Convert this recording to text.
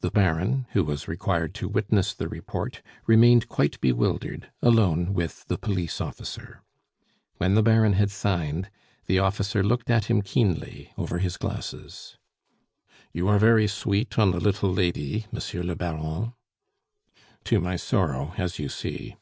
The Baron, who was required to witness the report, remained quite bewildered, alone with the police officer. When the Baron had signed, the officer looked at him keenly, over his glasses. "You are very sweet on the little lady, Monsieur le Baron?" "To my sorrow, as you see."